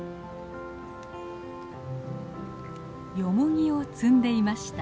ヨモギを摘んでいました。